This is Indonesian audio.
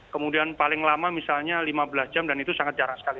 kemudian paling lama misalnya lima belas jam dan itu sangat jarang sekali